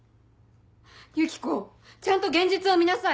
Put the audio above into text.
ユキコちゃんと現実を見なさい！